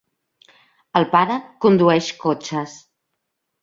El pare condueix cotxes.